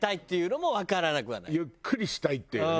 ゆっくりしたいっていうね。